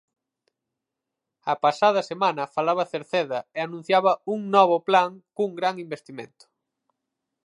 A pasada semana falaba Cerceda e anunciaba un novo plan cun gran investimento.